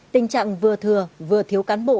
tình trạng vừa thừa vừa thiếu cán bộ